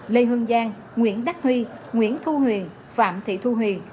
lê hương giang nguyễn đắc huy nguyễn thu huyền phạm thị thu huyền